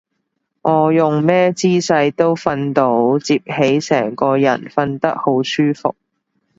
我用咩姿勢都瞓到，摺起成個人瞓得好舒服